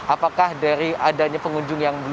apakah dari adanya pengunjung yang